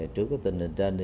trước tình hình trên